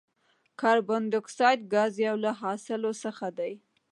کاربن ډای اکساید ګاز یو له حاصلو څخه دی.